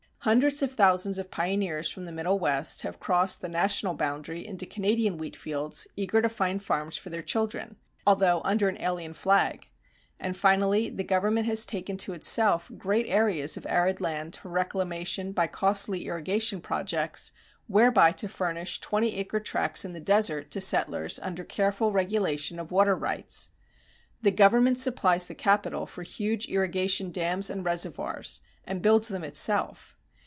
Hundreds of thousands of pioneers from the Middle West have crossed the national boundary into Canadian wheat fields eager to find farms for their children, although under an alien flag. And finally the government has taken to itself great areas of arid land for reclamation by costly irrigation projects whereby to furnish twenty acre tracts in the desert to settlers under careful regulation of water rights. The government supplies the capital for huge irrigation dams and reservoirs and builds them itself.